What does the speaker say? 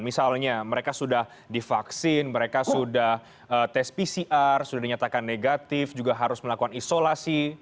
misalnya mereka sudah divaksin mereka sudah tes pcr sudah dinyatakan negatif juga harus melakukan isolasi